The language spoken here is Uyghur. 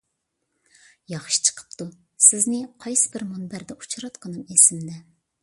ياخشى چىقىپتۇ، سىزنى قايسى بىر مۇنبەردە ئۇچراتقىنىم ئېسىمدە.